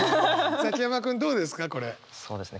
崎山君どうですか？